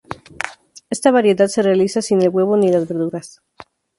Esta variedad se realiza sin el huevo ni las verduras.